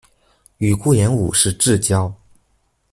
与顾炎武是至交。